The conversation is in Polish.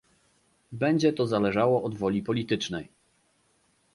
Będzie to zależało od woli politycznej